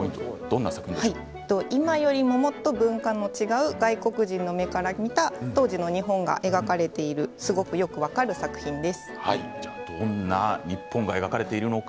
今よりももっと文化の違う外国人の目から見た当時の日本が描かれている、すごくよく分かる作品です。